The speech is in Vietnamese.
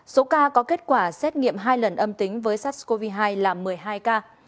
số ca có kết quả xét nghiệm hai lần âm tính với sars cov hai là một mươi hai ca